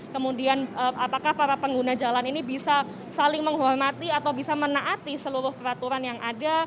kemudian apakah para pengguna jalan ini bisa saling menghormati atau bisa menaati seluruh peraturan yang ada